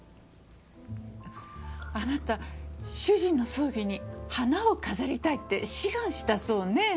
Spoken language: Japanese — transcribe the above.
あなた主人の葬儀に花を飾りたいって志願したそうねぇ。